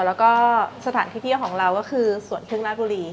แล้วก็สถานที่เที่ยวของเราก็คือสวนพึ่งราชบุรี